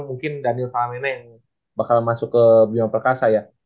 mungkin daniel salamena yang bakal masuk ke bioma perkasa ya